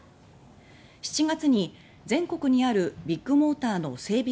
７月に全国にあるビッグモーターの整備